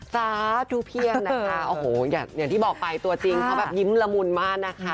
สาธุเพียงนะคะโอ้โหอย่างที่บอกไปตัวจริงเขาแบบยิ้มละมุนมากนะคะ